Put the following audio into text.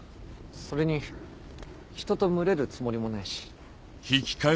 それに人と群れるつもりもないし。